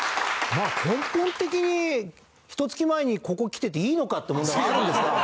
根本的にひと月前にここ来てていいのか？って問題もあるんですが。